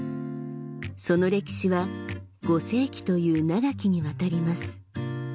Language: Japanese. その歴史は５世紀という長きにわたります